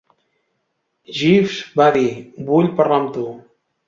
"Jeeves," vaig dir, "vull parlar amb tu."